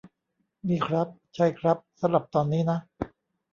นี่ครับ ใช่ครับ สำหรับตอนนี้นะ